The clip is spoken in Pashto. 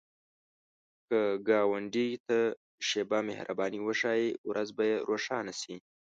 که ګاونډي ته شیبه مهرباني وښایې، ورځ به یې روښانه شي